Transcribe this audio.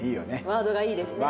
ワードがいいですね。